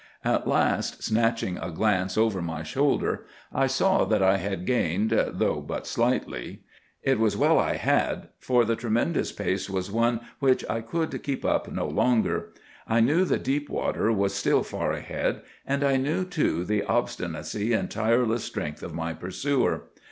"At last, snatching a glance over my shoulder, I saw that I had gained, though but slightly. It was well I had, for the tremendous pace was one which I could keep up no longer. I knew the deep water was still far ahead, and I knew, too, the obstinacy and tireless strength of my pursuer.